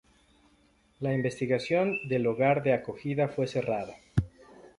La investigación del hogar de acogida fue cerrada.